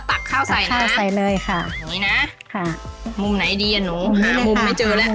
ตักข้าวใส่นะคะมุมไหนหมุมไม่เจอเลย